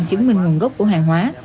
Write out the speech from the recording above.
chứng minh nguồn gốc của hàng hóa